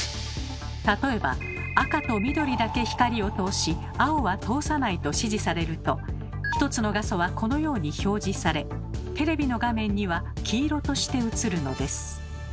例えば「赤と緑だけ光を通し青は通さない」と指示されると一つの画素はこのように表示されテレビの画面には黄色として映るのです。